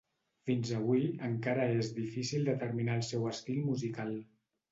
Fins avui, encara és difícil determinar el seu estil musical.